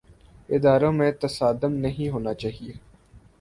اداروں میں تصادم نہیں ہونا چاہیے۔